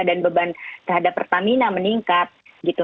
dan beban terhadap pertamina meningkat gitu